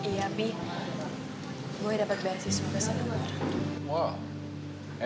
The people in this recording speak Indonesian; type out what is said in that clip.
iya bi gue dapat beasiswa ke sana